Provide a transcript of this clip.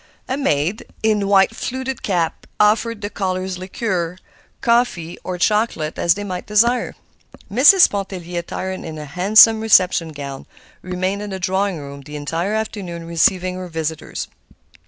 A maid, in white fluted cap, offered the callers liqueur, coffee, or chocolate, as they might desire. Mrs. Pontellier, attired in a handsome reception gown, remained in the drawing room the entire afternoon receiving her visitors.